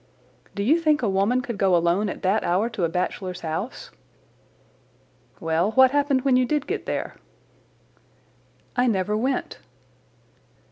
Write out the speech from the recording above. "Do you think a woman could go alone at that hour to a bachelor's house?" "Well, what happened when you did get there?" "I never went."